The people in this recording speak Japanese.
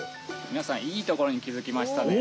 みなさんいいところにきづきましたね。